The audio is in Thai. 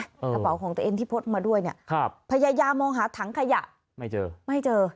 กระเป๋าของตัวเองที่พดมาด้วยพยายามองหาถังขยะไม่เจอ